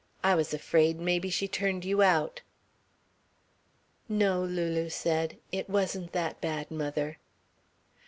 "I was afraid maybe she turned you out." "No," Lulu said, "it wasn't that bad, mother."